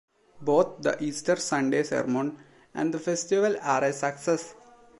Both the Easter Sunday sermon and the festival are a success.